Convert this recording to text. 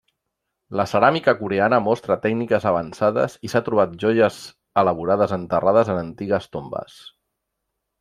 La ceràmica coreana mostra tècniques avançades i s'ha trobat joies elaborades enterrades en antigues tombes.